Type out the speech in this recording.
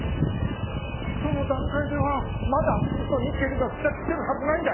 その段階ではまだスズとニッケルが付着してるはずないんだよ！